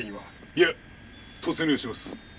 いえ突入します。